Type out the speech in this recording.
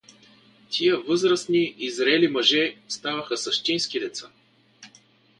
Тия възрастни и зрели мъже ставаха същински деца.